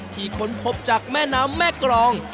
ค้นพบจากแม่น้ำแม่กรอง